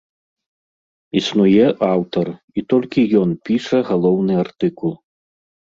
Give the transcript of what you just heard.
Існуе аўтар, і толькі ён піша галоўны артыкул.